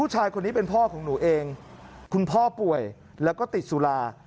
หนูเองคุณพ่อป่วยแล้วก็ติดสุรา